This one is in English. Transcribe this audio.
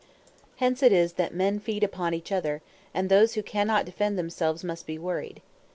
Hence it is that men feed upon each other, and those who cannot defend themselves must be worried.